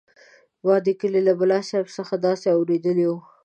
ما د کلي له ملاصاحب څخه داسې اورېدلي وو.